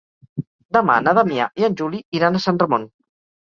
Demà na Damià i en Juli iran a Sant Ramon.